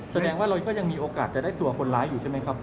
แสดงว่าเราก็ยังมีโอกาสจะได้ตัวคนร้ายอยู่ใช่ไหมครับ